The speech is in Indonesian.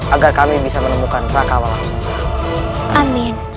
agar kami bisa menemukan rakawal langsung